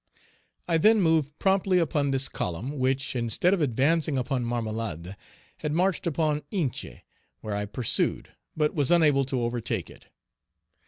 I then moved promptly upon this column, which, instead of advancing upon Marmelade, had marched upon Hinche, where I pursued, but was unable to overtake it.